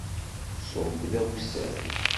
Ṣub d akessar.